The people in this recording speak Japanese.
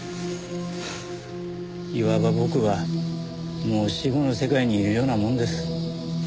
いわば僕はもう死後の世界にいるようなもんです。